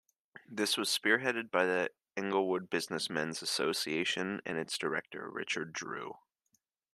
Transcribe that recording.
This was spearheaded by the Englewood Business Men's Association and its director, Richard Drew.